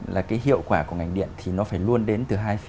là cái hiệu quả của ngành điện